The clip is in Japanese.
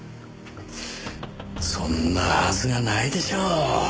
そんなはずがないでしょう。